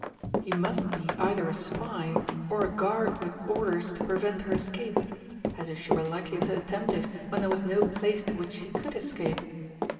He must be either a spy, or a guard with orders to prevent her escape as if she were likely to attempt it when there was no place to which she could escape!